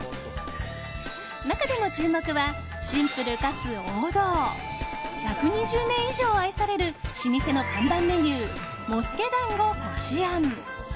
中でも注目はシンプルかつ王道１２０年以上愛される老舗の看板メニュー茂助だんごこし餡。